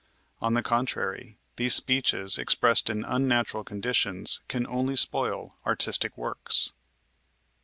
On the contrary, these speeches, expressed in unnatural conditions, can only spoil artistic works.